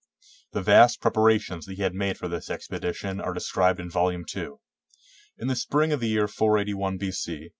The vast preparations that he made for this expedition are described in volume n. In the spring of the year 481 B.C.